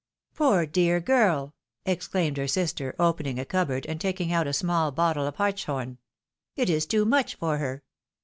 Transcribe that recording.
" Poor, dear girl !" exclaimed her sister, opening a cupboard, , and taking out a small bottle of hartshorn ;" it is too much for her.